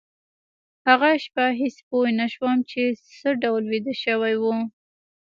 هغه شپه هېڅ پوه نشوم چې څه ډول ویده شوي وو